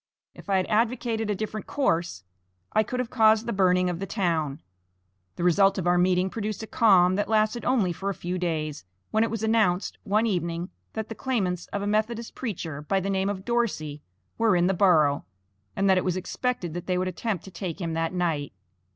If I had advocated a different course I could have caused the burning of the town. The result of our meeting produced a calm, that lasted only for a few days, when it was announced, one evening, that the claimants of a Methodist preacher, by the name of Dorsey, were in the borough, and that it was expected that they would attempt to take him that night.